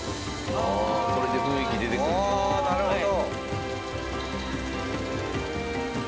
ああなるほど。